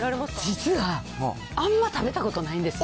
実は、あんま食べたことないんです。